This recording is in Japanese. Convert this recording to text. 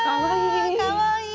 かわいい！